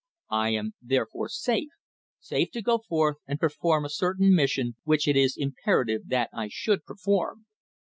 I am, therefore, safe safe to go forth and perform a certain mission which it is imperative that I should perform."